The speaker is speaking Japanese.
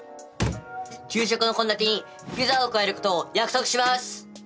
給食のこんだてにピザを加えることを約束します。